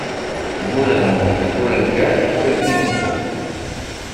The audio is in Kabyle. Bu lehmum, ur iggan, ur ittnuddum.